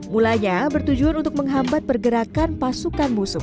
mulanya bertujuan untuk menghambat pergerakan pasukan musuh